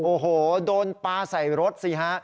โอ้โหโดนปลาใส่รถสิฮะ